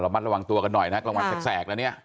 มัดระวังตัวกันหน่อยนะกลางวันแสกแล้วเนี่ย